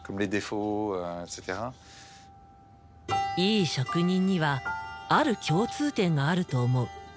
いい職人にはある共通点があると思う。